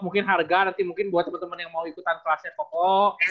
mungkin harga nanti mungkin buat teman teman yang mau ikutan kelasnya pokok